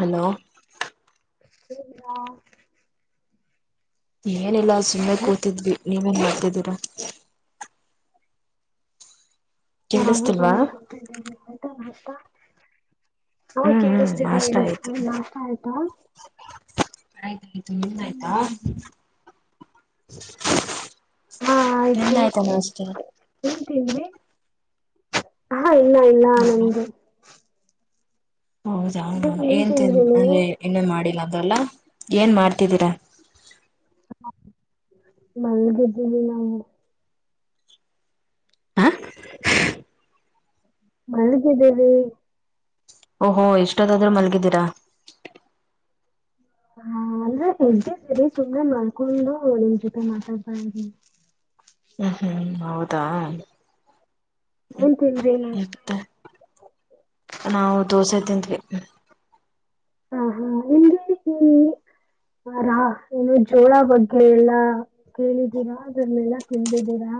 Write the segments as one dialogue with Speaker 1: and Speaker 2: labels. Speaker 1: Hello
Speaker 2: ಸರಿಯಾ
Speaker 1: ಏನಿಲ್ಲ ಸುಮ್ಮನೆ ಕೂತಿದ್ವಿ ನೀವೇನ್ ಮಾಡ್ತಿದ್ದೀರಾ.
Speaker 2: ನಾವು
Speaker 1: ಕೇಳಿಸ್ತಿಲ್ವಾ
Speaker 2: ಸುಮ್ಮನೆ ಕೂತಿದ್ವಿ ಆಯ್ತಾ ನಾಸ್ಟ ಹಾ
Speaker 1: ಹ್ಮ್ ಹ್ಮ್
Speaker 2: ಕೇಳಿಸ್ತಿದೆ
Speaker 1: ನಾಷ್ಟ
Speaker 2: ಹೇಳಿ ಹ ನಾಷ್ಟ ಆಯ್ತಾ
Speaker 1: ಆಯ್ತು ನಿಂದ್ ಆಯ್ತಾ ನಿಮ್ದ್ ಆಯ್ತ ನಾಷ್ಟ
Speaker 2: ಏನ್ ತಿಂದ್ರಿ ಹ ಇನ್ನ ಇಲ್ಲ
Speaker 1: ಹ್ಮ
Speaker 2: ನಂದು.
Speaker 1: ಹೌದ ಏನ್ ತಿನ್ ಅಂದ್ರೆ ಇನ್ನೂ ಮಾಡಿಲ್ಲ ಅದ್ರಲ್ಲಾ ಏನ್ ಮಾಡ್ತಿದ್ದೀರಾ.
Speaker 2: ಮಲ್ಗಿದ್ದೀವಿ ನಾವು
Speaker 1: ಹಾ
Speaker 2: ಮಲ್ಗದ್ದೀವಿ
Speaker 1: ಓಹೋ ಎಷ್ಟದಾದ್ರು ಮಲ್ಗಿದೀರಾ
Speaker 2: ಹಾ ಅಂದ್ರೆ ಎದ್ದಿದನಿ ಸುಮ್ನೆ ಮಲ್ಕೊಂಡು ನಿಮ್ ಜೊತೆ ಮಾತಾಡ್ತಾ ಇದಿ
Speaker 1: ಹ್ಮ್ ಹ್ಮ್ ಹೌದಾ ಹ್ಮ ಮತ್ತೆ ನಾವು ದೋಸೆ ತಿಂದ್ವಿ
Speaker 2: ಹಾ ಹಾ ನಿಮಗೆ [inaudible] ಈ ರಾ ಏನು ಜೋಳ ಬಗ್ಗೆ ಎಲ್ಲಾ ಕೇಳಿದ್ದೀರಾ ಅದನ್ನೆಲ್ಲ ತಿಂದಿದಿರಾ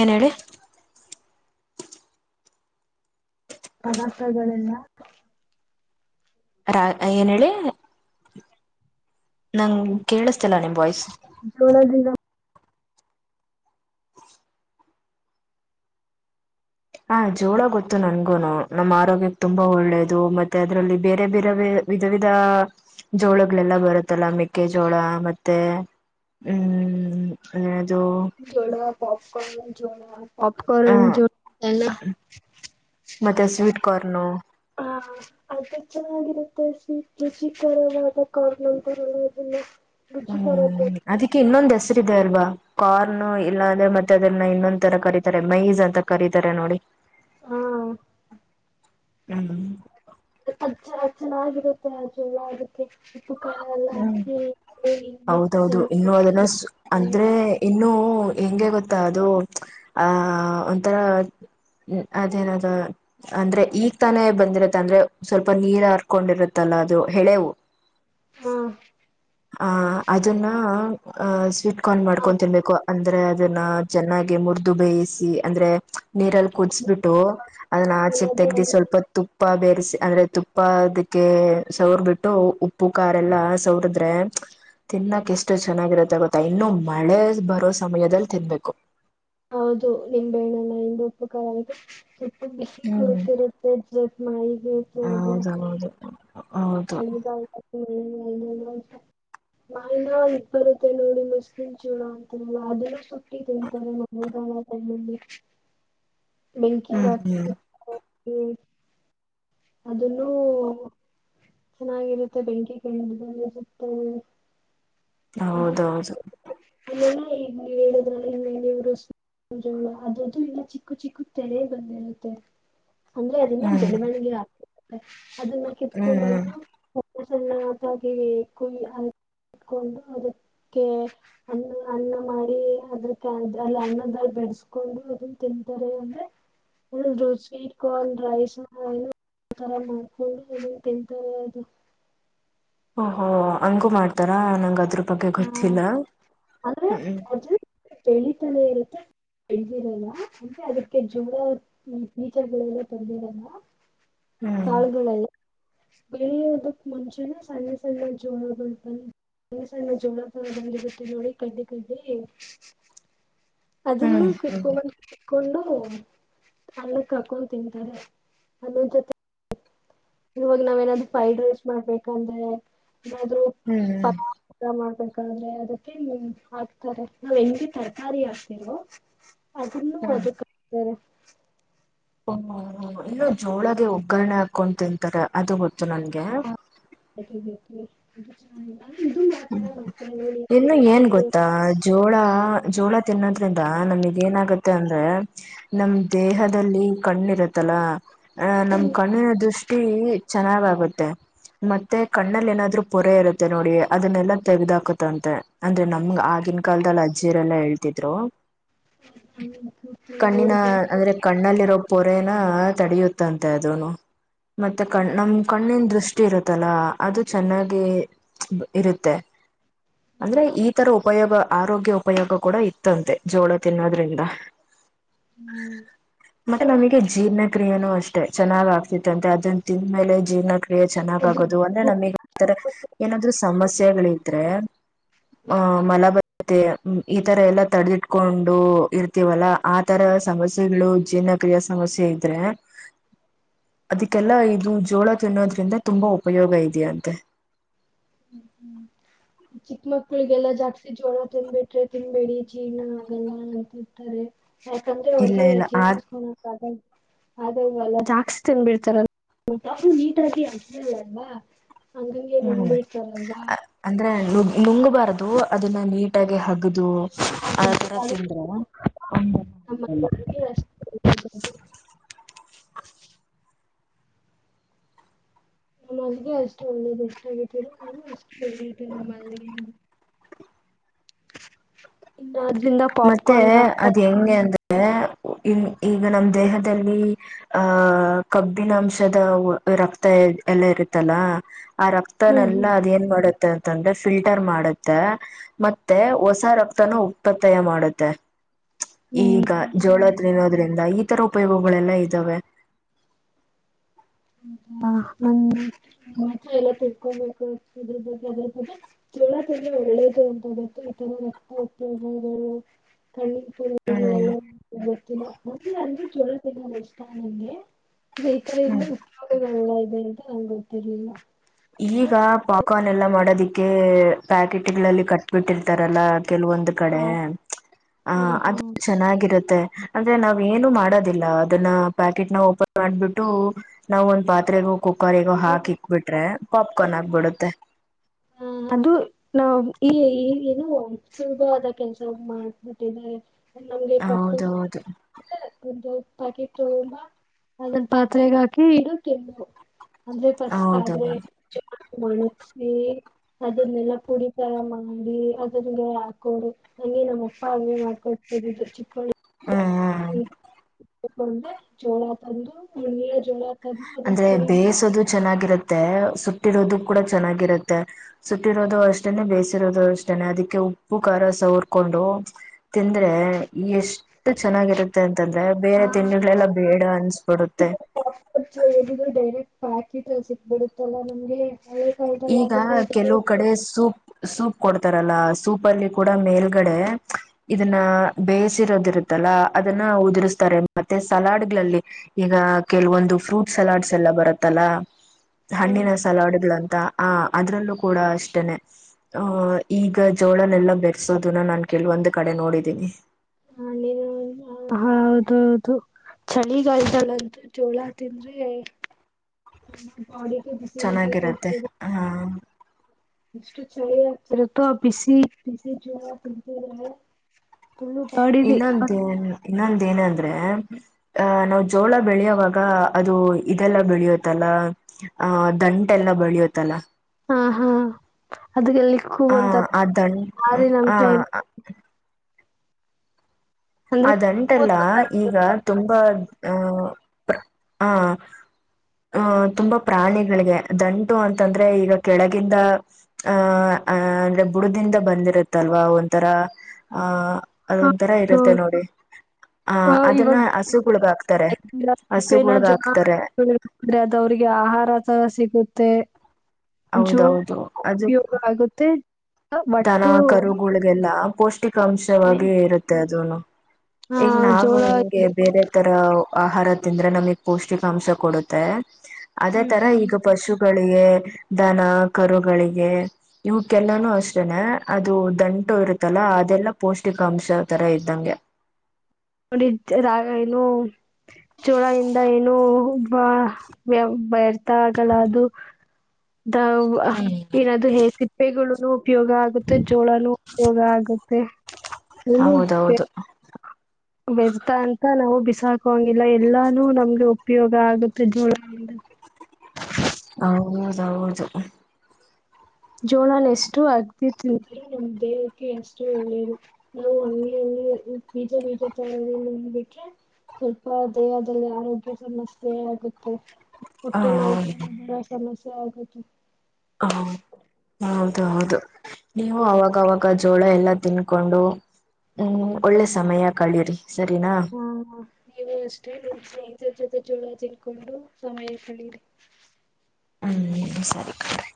Speaker 1: ಏನ್ ಹೇಳಿ
Speaker 2: ಪದಾರ್ಥಗಳೆಲ್ಲ
Speaker 1: ರ ಏನ್ ಹೇಳಿ ನಂಗ್ ಕೇಳಿಸ್ತಲ್ಲ ನಿಮ್ ವಾಯ್ಸ್
Speaker 2: ಸೋಲದಿಲ್ಲ [inaudible]
Speaker 1: ಹ ಜೋಳ ಗೊತ್ತು ನನ್ಗೂನು ನಮ್ಮ ಆರೋಗ್ಯಕ್ ತುಂಬಾ ಒಳ್ಳೇದು ಮತ್ತೆ ಅದರಲ್ಲಿ ಬೇರೆ ಬೇರೆ ಬೇ ವಿಧ ವಿಧ ಜೋಳಗಳೆಲ್ಲ ಬರುತ್ತಲ್ಲ ಮೆಕ್ಕೆಜೋಳ ಮತ್ತೆ ಹ್ಮ್ ಹ್ಮ್ ಹ್ಮ್ ಜೋ [inaudible]
Speaker 2: ಜೋಳ ಪೊಪಕೋರ್ನ್ ಜೋಳ ಅಪಕ
Speaker 1: ಹ
Speaker 2: ಜಲ್ಲ [inaudible]
Speaker 1: ಮತ್ತೆ ಸ್ವೀಟ್ ಕಾರ್ನು
Speaker 2: ಅದು ಚೆನ್ನಾಗಿರುತ್ತೆ ರುಚಿಕರವಾದ ಕಾರಣಾಂತರ [inaudible] ಅದಲ್ಲ
Speaker 1: ಹ್ಮ್ ಅದಕ್ಕೆ ಇನ್ನೊಂದ್ ಹೆಸರುದೆ ಅಲ್ವಾ ಕಾರ್ನ್ ಇಲ್ಲಾಂದೆ ಮತ್ತೆ ಅದನ್ನ ಇನ್ನೊಂದ್ ತರ ಕರೀತಾರೆ ಮೈಜ್ ಅಂತ ಕರೀತಾರೆ ನೋಡಿ
Speaker 2: ಹ್ಮ್
Speaker 1: ಹ್ಮ್
Speaker 2: ಅದ್ ಅದ್ ಚೆನ್ನಾಗಿರುತ್ತೆ ಜೋಳ ಅದು ಉಪ್ಪುಕಾರ ಎಲ್ಲ
Speaker 1: ಹ್ಮ್
Speaker 2: ಹಾಕಿ
Speaker 1: ಹೌದೌದು
Speaker 2: [unintelligible]
Speaker 1: ಇನ್ನೂ ಹೆಂಗೆ ಗೊತ್ತಾ ಅದು ಆಹ ಒಂಥರ ಹ್ಮ ಅದೇನದ ಅಂದ್ರೆ ಈಗ್ ತಾನೇ ಬಂದಿರತ್ತ ಅಂದ್ರೆ ಸ್ವಲ್ಪ ನೀರ್ ಹರ್ಕೊಂಡಿರತ್ತಲ್ಲ ಅದು ಹೆಳೆವು
Speaker 2: ಹ್ಮ್
Speaker 1: ಹ ಅದನ್ನ ಆಹ ಸ್ವೀಟ್ ಕಾರ್ನ್ ಮಾಡ್ಕೊಂಡು ತಿನ್ಬೇಕು ಅಂದ್ರೆ ಅದನ್ನ ಚೆನ್ನಾಗಿ ಮುರ್ದು ಬೇಯಿಸಿ ಅಂದ್ರೆ ನೀರಲ್ಲಿ ಕುದಿಸಬಿಟ್ಟು ಅದನ್ನ ಆಚೆಗ್ ತೆಗ್ದಿ ಸ್ವಲ್ಪ ತು ತುಪ್ಪ ಬೇರೆಸಿ ಅಂದ್ರೆ ತುಪ್ಪ ಅದಕ್ಕೆ ಸೌರ್ ಬಿಟ್ಟು ಉಪ್ಪು ಕಾರ ಎಲ್ಲ ಸೌರ ದ್ರೆ ತಿನ್ನಕ್ ಎಷ್ಟು ಚೆನ್ನಾಗಿರತ್ತೆ ಗೊತ್ತಾ ಇನ್ನು ಮಳೆ ಬರೋ ಸಮಯದಲ್ಲಿ ತಿನ್ಬೇಕು
Speaker 2: ಹೌದು ನಿಮ್ಣಲ್ಲ ಹಿಂದ [inaudible] ಉಪ್ಪುಕಾರ ಆ ಸ್ವಲ್ಪ ಬಿಸಿ
Speaker 1: ಹ್ಮ್
Speaker 2: ಕೊಡತಿರುತ್ತೆ ಜತ್ ಮಾಯಿಗೆತ್ತು ಅದು
Speaker 1: ಹೌದೌದು ಹೌದು
Speaker 2: [unintelligible] ಮಾನ ಇಬ್ ಬರುತ್ತೆ ನೋಡಿ ಮುಸ್ಲಿಮ ಜೋಳ ಅಂತಲ್ಲ ಅದಿರುತ್ತ ತಿತಾರೆ ಮನೆಗಾಲ ಟೈಲ್ಲಿ ಬೆಂಕಿಗ್
Speaker 1: ಹ್ಮ್
Speaker 2: ಹಾಕಿ
Speaker 1: ಹ್ಮ್
Speaker 2: [inaudible] ಅದನ್ನೂ ಚೆನ್ನಾಗಿರುತ್ತೆ ಬೆಂಕಿ ಕೆಂಡ ಸುತ್ತದೆ
Speaker 1: ಹೌದೌದು
Speaker 2: ಅ ಈ ನೀವ್ ಹೇಳುದ್ರಲ್ಲ ಇ ನೀವರು [inaudible] ಇರಲ್ಲ ಅದಿನ್ನೂ ಚಿಕ್ಕು ಚಿಕ್ಕು ತೆನೇ ಬಂದಿರುತ್ತೆ ಅಂದ್ರೆ ಅದಿನ್ನ
Speaker 1: ಹ್ಮ್ ಹ್ಮ್
Speaker 2: ಬೆಳವಣಿಗೆ ಅದನ್ನ ಕಿತ್ಕೊಂಡಂಬಂದುಣ್ಣಾಗಿ
Speaker 1: ಹ್ಮ್
Speaker 2: ಕುಯ [inaudible] ಇಟ್ಕೊಂಡು ಅದಕ್ಕೆ........ ಅನ್ನ ಅನ್ನ ಮಾಡಿ ಅದ್ರಕ್ಕೆಲ್ಲಿ ಅನ್ನದಲ್ ಬೆಡಸ್ಕೊಂಡು ಅದನ್ನ ತಿಂತಾರೆ ಅಂದ್ರೆ. ರುಚ ಕನ್ ರೈಸ್ನಲ್ಲಿ. ಆ ತರ ಮಾಡ್ಕೊಂಡ ತಿಂತಿರಿ ಇಲ್ಲ.
Speaker 1: ಓಹೋ ಓಹೋ ಹಂಗೂ ಮಾಡ್ತಾರಾ ನಂಗ ಅದ್ರ ಬಗ್ಗೆ ಗೊತ್ತಿಲ್ಲ ಹ್ಮ್ಮ.
Speaker 2: ಕತಾನೆ ಇರುತ್ತೆ [inaudible] ಇಳ್ದಿರಲ್ಲ ಅಂದ್ರೆ ಅದಕ್ಕೆ ಜೋಳ ನೀಚಗಳೆಲ್ಲ ತಂದದಿರಲ್ಲ.
Speaker 1: ಹ್ಮ್
Speaker 2: ಕಾಳುಗಳೆಲ್ಲ... ಬೆಳೆಯೋದಕ್ ಮುಂಚೆನ ಸಣ್ಣ ಸಣ್ಣ ಜೋಳಗಳು ಬ. ಸಣ್ಣ ಜೋಳ ತ ಬಂದಿರುತ್ತೆ ನೋಡಿ ಕಡ್ಡಿ ಕಡ್ಡಿ.
Speaker 1: ಹ್ಮ್
Speaker 2: ಅದನ್ನು
Speaker 1: ಹ್ಮ್
Speaker 2: ಕಿತ್ಕೊಂಡ ಬಂದ್. ಕೊಂಡು ಅನ್ನ ಹಾಕೊಂಡು ತಿಂತಾರೆ ಅನ್ನ ಜೊತೆ. ಇವಾಗ ನಾವ ಏನಾದ್ರು ಫ್ರೈಡ್ ರೈಸ್ ಮಾಡ್ಬೇಕಂದ್ರೆ ಏನಾದ್ರು.
Speaker 1: ಹ್ಮ್ ಹ್ಮ್
Speaker 2: ನಾವು ಮಾಡ್ಬೇಕಾದ್ರೆ ಅದಕ್ಕೆ ಹಾಕ್ತಾರೆ ನಾವ್ ಹೆಂಗಿ ತರಕಾರಿ ಹಾಕ್ತಿವೆ. ಅದನ್ನು
Speaker 1: ಹ್ಮ್
Speaker 2: ಅದಕ್ಕೆ ಹಾಕತಾರೆ.
Speaker 1: ಓ ಓ ಓ ಇನ್ನು ಜೋಳಗೆ ಒಗ್ಗರಣೆ ಹಾಕೊಂಡು ತಿಂತಾರೆ ಅದು ಗೊತ್ತು ನನಗೆ.
Speaker 2: ತ [inaudible]
Speaker 1: ಹ್ಮ್ ಇನ್ನು ಏನ್ ಗೊತ್ತಾ. ಜೋಳ ಜೋಳ ತಿನ್ನೋದ್ರಿಂದ ನಮಗ್ ಏನಾಗುತ್ತೆ ಅಂದ್ರೆ. ನಮ ದೇಹದಲ್ಲಿ ಕಣ್ಣಿರುತ್ತಲ್ಲ ನಮ್ಮ ಕಣ್ಣಿನ ದೃಷ್ಟಿ. ಟಿ ಚೆನ್ನಾಗ್ ಆಗುತ್ತೆ ಮತ್ತೆ ಕಣ್ಣಲ್ಲಿ ಏನಾದ್ರು ಪೊರೆ ಇರುತ್ತೆ ನೋಡಿ. ಅದನ್ನೆಲ್ಲಾ ತೆಗ್ದಾಕತಂತೆ ಅಂದ್ರೆ ನಮ್ ಆಗಿನ ಕಾಲದಲ್ಲಿ ಅಜ್ಜಿಯರೆಲ್ಲಾ ಹೇಳ್ತಿದ್ರು. ಕಣ್ಣಿನ
Speaker 2: [inaudible]
Speaker 1: ಅಂದ್ರೆ ಕಣ್ಣಲ್ಲಿರೋ ಪೊರೆನ ತಡಿಯುತ್ತಂತೆ ಅದುನು ಮತ್ತೆ ಕಣ್ ನಮ ಕಣ್ಣಿನ ದೃಷ್ಟಿ. ಇರುತ್ತಲ್ಲ ಅದು ಚೆನ್ನಾಗಿ ಹ್ಚ್ ಇರುತ್ತೆ. ಅಂದ್ರೆ ಈ ತರ ಉಪಯೋಗ ಆರೋಗ್ಯ ಉಪಯೋಗ ಕೂಡ ಇತ್ತಂತೆ ಜೋಳ ತಿನ್ನೋದ್ರಿಂದ.
Speaker 2: ಹ್ಮ್.
Speaker 1: ಮತ್ತೆ ನಮಗೆ ಜೀರ್ಣ ಕ್ರಿಯೆನೂ ಅಷ್ಟೆ ಚೆನ್ನಾಗ್ ಆಗ್ತಿತ್ತ ಅಂತೆ ಅದನ್ ತಿಂದ್ಮೇಲೆ ಜೀರ್ಣ್ರ. ಯ ಚೆನ್ನಾಗಗೋದು ಅಂದ್ರೆ ನಮಗ್ ತರ ಏನಾದ್ರು ಸಮಸ್ಯೆಗಳಿದ್ರೆ. ಆಹ್ ಮಲಬದತ್ತೆ ಈತರ ಎಲ್ಲಾ ತಡೆದಿಟ್ಕೊಂಡು ಇ. ರ್ತೇವಲ್ಲಾ ಆ ತರ ಸಮಸ್ಯೆಗಳು ಜೀರ್ಣಕ್ರಿಯಾ ಸಮಸ್ಯೆ ಇದ್ರೆ.
Speaker 2: [inaudible]
Speaker 1: ಅದಕ್ಕೆಲ್ಲಾ ಇದು ಜೋಳ ತಿನ್ನೋದ್ರಿಂದ ತುಂಬಾ ಉಪಯೋಗ ಇದೆಯಂತೆ.
Speaker 2: ಹ್ಮ್ ಹ್ಮ್. ಚಿಕ್ಕ ಮಕ್ಳಿಗೆಲ್ಲಾ ಜಾಸ್ತಿ ಜೋಳ ತಿನ್ಬಿಟ್ರೆ ತಿನ್ಬೇಡಿ ಜೀರ್ಣ ಅಲ್ಲ ಅಂತಿರ್ತಾರೆ. ನಾನ್ ತಂದಿರೋ ಯಾಕಂದ್ರೆ
Speaker 1: ಇಲ್ಲ
Speaker 2: ಅವ್ರಿಗೆ
Speaker 1: ಇಲ್ಲ ಆ
Speaker 2: ಜೀವನಿಸಕೋಳಕ್ [inaudible] ಅದ ಅಲ್ಲ ಜಾಸ್ತಿ ತಿನ್ಬಿಡ್ತಾರಲ್ಲ ನೀಟಾಗಿ ಅಲ್ಲಲ್ವಾ. ಹಂಗ ಹಂಗ ನುಂಗು
Speaker 1: ಹ್ಮ್
Speaker 2: ಬಿಡ್ತಾರಲ್ವಾ.
Speaker 1: ಅಂದ್ರೆ ನುಂಗಬಾರದು ಅದನ್ನ ನೀಟಾಗಿ ಹಗದು. ಆ ತರ ತಿಂದ್ರ ಆಲ್ಲ.....
Speaker 2: ಹೌದ [inaudible] ನಮ್ಮಲ್ಲಿಗೆ ಅಷ್ಟು ಒಳ್ಳೇದು ಇಷ್ಟ ಆಗತೀರ ನಾವು ಅಷ್ಟು ಒಳ್ಳವಿ ನಮ್ಮಲ್ಲಿಗೆ ವಾರದಿಂದ.
Speaker 1: ಮತ್ತೆ ಅದ್ ಯಂಗೇ ಅಂದ್ರೆ ಈಗ ನಮ ದೇಹದಲ್ಲಿ. ಆಹ ಕಬ್ಬಿನಾಂಶದ ರಕ್ತ ಎಲ್ಲ ಇರುತ್ತಲ್ಲ ಆ
Speaker 2: ಹ್ಮ್
Speaker 1: ರಕ್ತನೆೆಲ್ಲಾ ಅದ ಏನ್ ಮಾಡೋದು ಅಂತಂದ್ರೆ ಫಿಲ್ಟರ್ ಮಾಡುತ್ತೆ ಮತ್ತೆ ಹೊಸ ರಕ್ತನು ಉತ್ಪತ್ತಿಯ ಮಾಡುತ್ತದೆ
Speaker 2: ಹ್ಮ್
Speaker 1: ಈಗ ಜೋಳದ ನಿನ್ನೋದ್ರಿಂದ ಈ ತರ ಉಪಯೋಗಗಳೆಲ್ಲ ಇದ್ದಾವೆ
Speaker 2: ಹ ಎಲ್ಲ ತಿಳ್ಕೊಬೇಕು ಇದ್ರ ಬಗ್ಗೆ ಅದ್ರ ಬಗ್ಗೆ [unintelligible] ಉಪಯೋಗರು [unintelligible] ಗೆ
Speaker 1: ಹ್ಮ್
Speaker 2: ರೈತರಿಂದ
Speaker 1: ಹ್ಮ್
Speaker 2: ಉಪ್ಯೋಗಗಳೆಲ್ಲ ಇದೆ ಅಂತ ನಂಗೆ ಗೊತ್ತಿರ್ಲಿಲ್ಲ
Speaker 1: ಈಗ ಪಾಪ್ಕಾರ್ನ್ ಎಲ್ಲ ಮಾಡೋದಿಕ್ಕೆ ಪ್ಯಾಕೆಟ್ಗಳಲ್ಲಿ ಕಟ್ಬಿಟ್ಟಿರ್ತಾರಲ್ಲ ಕೆಲವೊಂದು ಕಡೆ ಆ ಅದು ಚೆನ್ನಾಗಿರುತ್ತೆ ಅಂದ್ರೆ ನಾವ್ ಏನು ಮಾಡೋದಿಲ್ಲ ಅದನ್ನ ಪ್ಯಾಕೆಟ್ ನ ಓಪನ್ ಮಾಡ್ಬಿಟ್ಟು ನಾವ್ ಒಂದ್ ಪಾತ್ರೆಗೆ ಹೋಗ ಕುಕ್ಕರ್ಗೋ ಹಾಕಿ ಇಕ್ಬಿಟ್ರೆ ಪಾಪ್ಕಾರ್ನ್ ಆಕ್ಬಿಡುತ್ತೆ
Speaker 2: ಹ ಅದು ನ್ ಈ ಈ ಏನು ಸುಲಭವಾದ ಕೆಲ್ಸ ಮಾಡ್ ಮಾರೆನಮ್ಗೆ ಪಾಪ್ಕೋನ್
Speaker 1: ಹೌದೌದು
Speaker 2: ಒಂದು ಪ್ಯಾಕೆಟ್ ತಗೊಂಬ ಅದೊಂದು ಪಾತ್ರೆಗೆ ಹಾಕಿ ಇಡ ಕೆಲವು ಅಂದ್ರೆ ಫಸ್ಟ್ ಆದ್ರೆ
Speaker 1: ಹೌದೌದು
Speaker 2: ಚೆನ್ನಾಗಿ ಮಾಡಸಿ ಅದನ್ನೆಲ್ಲಾ ಪುಡಿತರ ಮಾಡಿ ಅದನ್ ಹಾಕೋಡು ನಂಗೆ ನಮ್ಮಪ್ಪ ಹಂಗೇ ಮಾಡ್ಕೊಡ್ತರದು ಚಿಕ್ಕಿವಳ
Speaker 1: ಹ್ಮ್ ಹ್ಮ್
Speaker 2: ಕೊಂಡೆ ಜೋಳ ತಂದು ಹುಣಿಯ ಜೋಳ ತಂದು ಅದನ್ನ
Speaker 1: ಅಂದ್ರೆ
Speaker 2: ಪುರಿ ಮಾಡಿ
Speaker 1: ಬೇಯಿಸೋದು ಚೆನ್ನಾಗಿರುತ್ತೆ ಸುಟ್ಟಿರೋದು ಕೂಡ ಚೆನ್ನಾಗಿರುತ್ತೆ ಸುಟ್ಟಿರೋದು ಅಷ್ಟನೆೇ ಬೇಯಿಸಿರೋದು ಅಷ್ಟನೆ ಅದಕ್ಕೆ ಉಪ್ಪು ಖಾರ ಸವರ್ಕೊಂಡು ತ್ತಿತಂದ್ರೆ ಎಷ್ಟು ಚೆನ್ನಾಗಿರುತ್ತೆ ಅಂತಂದ್ರೆ ಬೇರೆ ತಿಂಡಿಳೆಲ್ಲ ಬೇಡ ಅನ್ಸ್ಬಿಡುತ್ತೆ
Speaker 2: ಮ ಏನಿದ್ ಡೈರೆಕ್ಟ್ ಪ್ಯಾಕೆಟ್ಲ ಸಿಕ್ಬಿಡುತ್ತಲ್ಲಾ ನಮ್ಗೆ ಹೌದು
Speaker 1: ಈಗ ಕೆಲವು ಕಡೆ ಸೂಪ್ ಸೂಪ್ ಕೊಡ್ತಾರಲ್ಲ ಸೂಪ್ ಅಲ್ಲಿ ಕೂಡ ಮೇಲ್ಗಡೆ ಇದನ್ನ ಬೇಯಿಸಿರೋದಿರುತ್ತಲ್ಲ ಅದನ್ನ ಉದುರಿಸಸ್ತಾರೆ ಮತ್ತೆ ಸಲಾಡ್ಗಳಲ್ಲಿ ಈಗ ಕೆಲವೊಂದು ಫ್ರೂಟ್ ಸಲಾಡ್ಸ್ ಎಲ್ಲ ಬರುತ್ತಲ್ಲ ಹಣ್ಣಿನ ಸಲಾಡ್ಗಳಂತ ಹ ಅದ್ರಲ್ಲೂ ಕೂಡ ಅಷ್ಟನೆ ಆಹ ಈಗ ಜೋಳನೆೆಲ್ಲ ಬೆರೆಸೋದನ್ನ ನಾನ್ ಕೆಲವೊಂದ್ ಕಡೆ ನೋಡಿದ್ದೀನಿ
Speaker 2: ಹ ಹೌದ ಹೌದು ಚಳಿಗಾಯ್ತಾಳಂತು ಜೋಳ ತಿಂದ್ರೆ ನಮ್ ಬಾಡಿ
Speaker 1: ಚೆನ್ನಾಗಿರುತ್ತೆ ಹಾ
Speaker 2: ಎಷ್ಟು ಚಳಿ ಆಗ್ತಿರುತ್ತೆ ಬಿಸಿ ಜೋಳ ತಿಂದಿದ್ರೆ
Speaker 1: ಇನ್ನೊಂದೇ ಇನ್ನೊಂದ ಏನ ಅಂದ್ರೆ ಅಹ ನಾವು ಜೋಳ ಬೆಳೆಯವಾಗ ಅದು ಇದೆಲ್ಲ ಬೆಳೆಯತ್ತಲ್ಲ ಆಹ ದಂಟೆಲ್ಲ ಬೆಳಿಯುತ್ತಲ್ಲ
Speaker 2: ಹಾ ಹಾ
Speaker 1: ಆ ಆ ದಂಟ
Speaker 2: ಅದಕ್ಕೆಲ್ಲಿಕ್ಕೂಂತರಾರಿ ನಮ್
Speaker 1: ಆ ಆ
Speaker 2: ಅಂದ್ರೆ
Speaker 1: ಅದಂಟೆಲ್ಲ ಈಗ ತುಂಬಾ ಆಹ ಪ್ರ ಆ ಅಹ ತುಂಬಾ ಪ್ರಾಣಿಗಳಿಗೆ ದಂಟು ಅಂತಂದ್ರೆ ಈಗ ಕೆಳಗಿಂದ ಆಹ ಅ ಅಂದ್ರೆ ಬುಡದಿಂದ ಬಂದಿರುತ್ತಲ್ವಾ ಒಂಥರ ಆಹ ಅದೊಂತರಾ
Speaker 2: ಕೂದಲು
Speaker 1: ಇರುತ್ತೆ ನೋಡಿ ಹ
Speaker 2: ಆ ಇವಾಗ
Speaker 1: ಅದನ್ನ ಹಸುಗುಳ್ಗ ಹಾಕ್ತಾರೆ ಹಸುಗಳುಳ್ಗ ಹಾಕ್ತಾರೆ
Speaker 2: ಅಂದ್ರೆ ಅದ ಅವ್ರಿಗೆ ಆಹಾರದ ಸಿಗುತ್ತೆ.
Speaker 1: ಹೌದೌದು ಅದು
Speaker 2: ಜೋಳ್ಉಪಯೋಗ ಆಗುತ್ತೆ
Speaker 1: ದನ
Speaker 2: ಒಟ್ಟು
Speaker 1: ಕರುಗಳಿಗೆಲ್ಲ ಪೌಷ್ಟಿಕಾಂಶವಾಗ
Speaker 2: ಮೆ-
Speaker 1: ಇರುತ್ತೆ ಅದನು.
Speaker 2: ಆ
Speaker 1: ಈಗ ನಾನು
Speaker 2: ಜೋಳ
Speaker 1: ನಿಮಗೆ ಬೇರೆ ತರ ಆಹಾರ ತಿಂದ್ರೆ ನಮಗೆ ಪೌಷ್ಟಿಕಾಂಶ ಕೊಡುತ್ತೆ. ಅದೇ
Speaker 2: ಹ್ಮ್
Speaker 1: ತರ
Speaker 2: ಹ್ಮ್
Speaker 1: ಈಗ ಪಶು [unintelligible] ಗೆ ದನ ಕರುಗಳಿಗೆ ಇವುಕ್ಕೆಲ್ಲಾನು ಅಷ್ಟ ಅದು ದಂಟು ಇರುತ್ತಲ್ಲ ಅದೆಲ್ಲಾ ಪೌಷ್ಟಿಕಾಂಶ ತರ ಇದ್ದಂಗೆ.
Speaker 2: ನೋಡಿ ರಾಗ [unintelligible] ಏನು ಚೋಳ ಇಂದ ಏನು ವ್ಯರ್ಥ ಆಗಲ್ಲ ಅದು [unintelligible] ಏನದು ಹ ಸಿಪ್ಪೆಗಳುನು ಉಪಯೋಗ ಆ ಮತ್ತೆ ಜೋಳನೂ ಉಪಯೋಗ ಆಗುತ್ತೆ. ಇ
Speaker 1: ಹೌದು,
Speaker 2: ವ್ಯರ್ತ ಅಂತ ನಾವು ಬಿಸಾಕಂಗಿಲ್ಲ ಎಲ್ಲಾನು ನಮ್ಗೆ ಉಪಯೋಗ ಆಗುತ್ತೆ ಜೋಳದಿಂದ.
Speaker 1: ಹೌದೌದು,
Speaker 2: ಜೋಳನು ಎಷ್ಟು ಅಗ್ದಿ ತಿಂತೀರ ನಮ ದೇಹಕ್ಕೆ ಅಷ್ಟು ಒಳ್ಳೇದು. ನಾವು ಅಲ್ಲಿಲ್ಲಿ ಬೀಜ ಬೀಜ [unintelligible] ತಲ ಬಿಟ್ರೆ ಸ್ವಲ್ಪ ದೇಹದಲ್ಲಿ ಆರೋಗ್ಯ ಸಮಸ್ಯೆ ಆಗುತ್ತೆ.
Speaker 1: ಹ
Speaker 2: ಹೊಟ್ಟೆ ನೋವು
Speaker 1: ಹ
Speaker 2: ಬರತದ ಸಮಸ್ಯೆ ಆಗುತ್ತೆ.
Speaker 1: ಹಾ [inaudible] ಹೌದ, ಹೌದು ನೀವು ಅವಾಗವಾಗ ಜೋಳ ಎಲ್ಲ ತಿನ್ಕೊಂಡು. ಹ್ಮ್, ಒಳ್ಳೆ ಸಮಯ ಕಳಿರಿ ಸರಿನಾ
Speaker 2: ಹ್ಮ್, ನೀವು ಅಷ್ಟೇ ಸ್ನೇಹಿತ ಜೊತೆ ಜೋಳ ತಿನ್ಕೊಂಡು ಸಮಯ ಕಳೀರಿ.
Speaker 1: ಹ್ಮ್ ಸರಿ ಕ್ರ [inaudible]